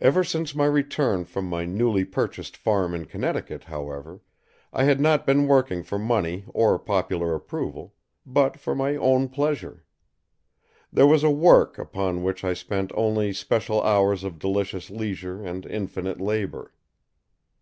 Ever since my return from my newly purchased farm in Connecticut, however, I had not been working for money or popular approval, but for my own pleasure. There was a Work upon which I spent only special hours of delicious leisure and infinite labor.